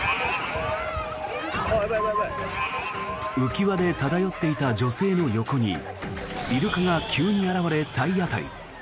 浮輪で漂っていた女性の横にイルカが急に現れ体当たり。